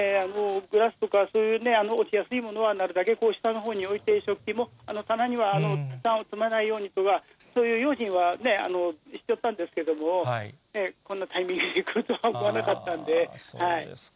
グラスとか、そういう落ちやすいものは、なるだけ下のほうに置いて、食器も棚にはたくさんは積まないようにとは、そういう用心はしておったんですけれども、こんなタイミングでくるとは思わなかったそうですか。